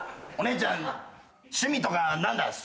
お姉ちゃん趣味とか何だ？